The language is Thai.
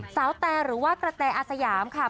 แตหรือว่ากระแตอาสยามค่ะ